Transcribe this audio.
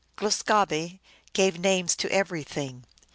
" Glus gahbe gave names to everything.